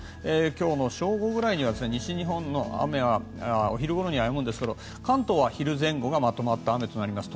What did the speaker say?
今日の正午ぐらいには西日本の雨はお昼ごろにはやむんですが関東は昼前後がまとまった雨となります。